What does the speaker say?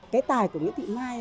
cái tài của nguyễn thị mai